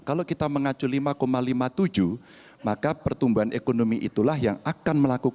kalau kita mengacu lima lima puluh tujuh maka pertumbuhan ekonomi itulah yang akan melakukan